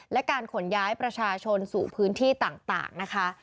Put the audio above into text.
และการขนย้ายประชาชนสู่พื้นที่ต่างนะคะ